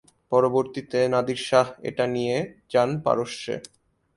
পরবর্তীতে Nadir Shah এটা নিয়ে যান পারস্যে।